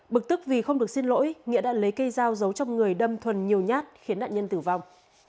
bực tức vì không được xin lỗi nghĩa đã lấy cây dao giấu trong người đâm thuần nhiều nhát khiến nạn nhân tử vong